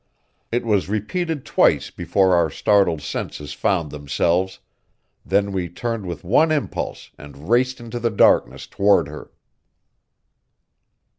It was repeated twice before our startled senses found themselves; then we turned with one impulse and raced into the darkness toward her.